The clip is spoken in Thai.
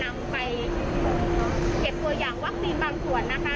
แล้วก็จะไปตรวจสอบคุณภาพก่อนจะกระจายไปโรงพยาบาลต่างนะคะ